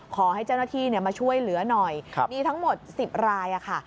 ขอให้เจ้าหน้าที่มาช่วยเหลือหน่อยมีทั้งหมด๑๐รายค่ะ